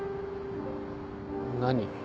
何？